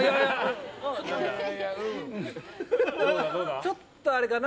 ちょっと、あれかな。